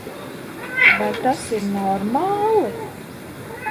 Vai tas ir normāli?